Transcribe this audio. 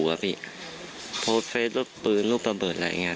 เขาบอกจะจัดชุดหนักหลายหลายอย่าง